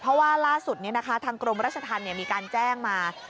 เพราะว่าล่าสุดนี้นะคะทางกรมรัชทันมีการแจ้งมา